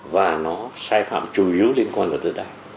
và nó sai phạm chủ yếu liên quan luật đất đai